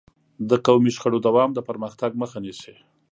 د قومي شخړو دوام د پرمختګ مخه نیسي.